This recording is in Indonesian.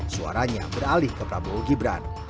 suaranya beralih ke prabowo gibran